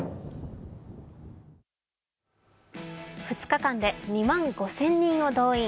２日間で２万５０００人を動員。